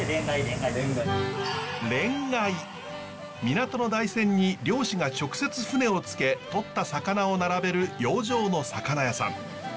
港の台船に漁師が直接船をつけとった魚を並べる洋上の魚屋さん。